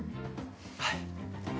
はい。